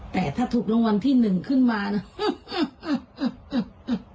แต่ถ้าถูกรางวัลที่๑ขึ้นมานะ